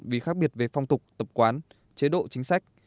vì khác biệt về phong tục tập quán chế độ chính sách